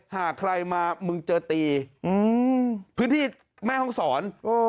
หากใครมามึงเจอตีพื้นที่แม่ห้องศร